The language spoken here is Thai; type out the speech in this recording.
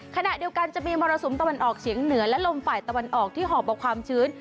ขณะเดียวกันจะมีมรสุมตะวันออกเฉียงเหนือและลมฝ่ายตะวันออกที่หอบเอาความชื้น